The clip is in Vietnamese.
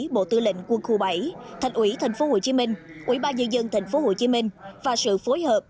bộ tư lệnh quân khu bảy thành ủy tp hcm ủy ban dân dân tp hcm và sự phối hợp